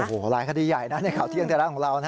โอ้โหรายคดีใหญ่นะในข่าวเที่ยงเท่านั้นของเรา